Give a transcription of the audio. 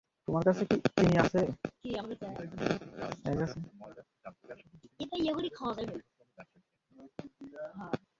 নিতাইগঞ্জ গম, চাল, আটা, ময়দা, ডাল, তেলসহ বিভিন্ন ভোগ্যপণ্যের অন্যতম বৃহত্তম ব্যবসায়িক কেন্দ্র।